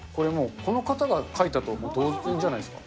これもう、この方が描いたも同然じゃないですか。